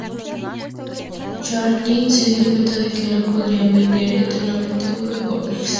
Chardin se dio cuenta de que no podría vender eternamente bodegones.